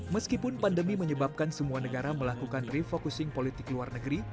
meskipun pandemi menyebabkan semua negara melakukan refocusing politik luar negeri